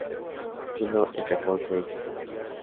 Siendo el cacao el producto principal.